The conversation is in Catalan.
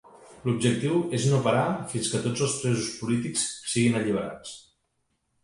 L'objectiu és no parar fins que tots els presos polítics siguin alliberats.